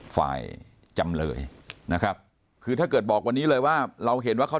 ฝ่ายจำเลยนะครับคือถ้าเกิดบอกวันนี้เลยว่าเราเห็นว่าเขา